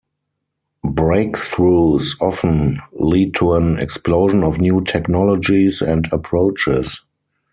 Breakthroughs often lead to an explosion of new technologies and approaches.